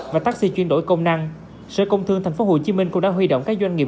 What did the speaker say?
và taxi chuyên đổi công năng sở công thương tp hcm cũng đã huy động các doanh nghiệp